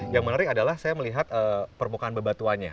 yang menarik adalah saya melihat permukaan bebatuannya